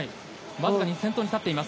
僅かに先頭に立っています。